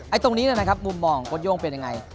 ไอ้ตรงนี้นะครับมุมมองโฟดโย่งเป็นยังไง